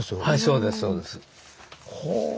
そうですそうです。